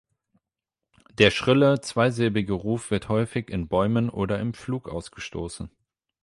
Der schrille, zweisilbige Ruf wird häufig in Bäumen oder im Flug ausgestoßen.